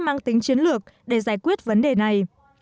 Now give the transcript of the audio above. mang tính chiến lược để giải quyết vấn đề này